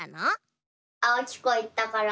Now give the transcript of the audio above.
あおきこいったから。